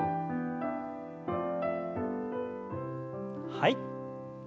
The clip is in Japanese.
はい。